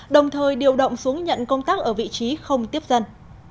đồng thời điều động xuống nhận công tác ở vị trí không tiếp dân